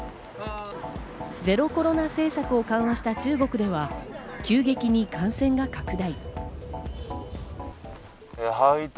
ゼロコロナ政策を緩和した中国では急激に感染が拡大。